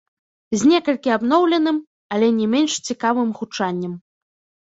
З некалькі абноўленым, але не менш цікавым гучаннем.